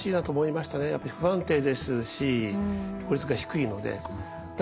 やっぱり不安定ですし効率が低いので。